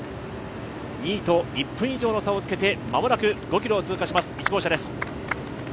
２位と１分以上の差をつけて間もなく５ｋｍを通過します。